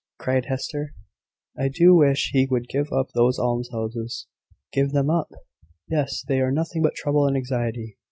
cried Hester. "I do wish he would give up those almshouses." "Give them up!" "Yes: they are nothing but trouble and anxiety.